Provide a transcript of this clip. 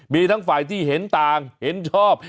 มีทั้งฝ่ายที่เห็นต่างเห็นชอบ